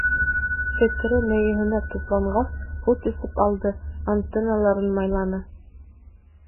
Фекере мейеһенә тупланғас, һут эсеп алды, антенналарын майланы.